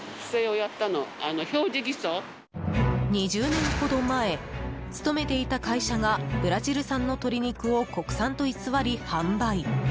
２０年ほど前勤めていた会社がブラジル産の鶏肉を国産と偽り販売。